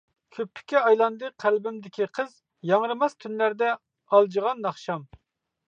كۆپۈككە ئايلاندى قەلبىمدىكى قىز، ياڭرىماس تۈنلەردە ئالجىغان ناخشام.